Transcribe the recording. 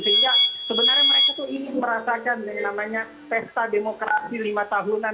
sehingga sebenarnya mereka tuh ingin merasakan yang namanya pesta demokrasi lima tahunan